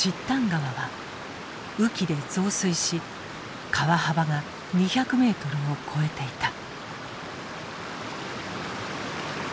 河は雨季で増水し川幅が２００ｍを超えていた。